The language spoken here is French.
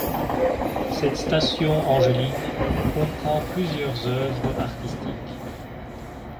Cette station angeline comprend plusieurs œuvres artistiques.